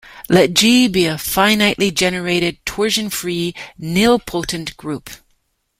Let "G" be a finitely generated torsionfree nilpotent group.